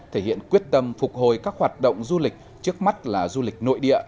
thể hiện quyết tâm phục hồi các hoạt động du lịch trước mắt là du lịch nội địa